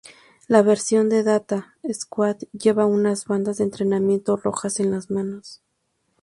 La versión de Data Squad lleva unas bandas de entrenamiento rojas en las manos.